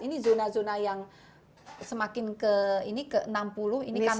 ini zona zona yang semakin ke enam puluh ini kan pink